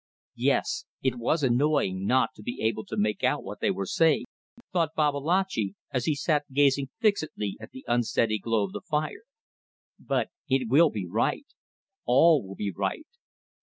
Yes. It was annoying not to be able to make out what they were saying, thought Babalatchi, as he sat gazing fixedly at the unsteady glow of the fire. But it will be right. All will be right.